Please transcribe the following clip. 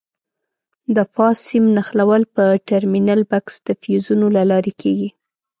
د فاز سیم نښلول په ټرمینل بکس کې د فیوزونو له لارې کېږي.